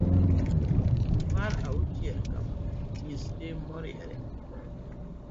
mar auchiel. Kama nyasi timoree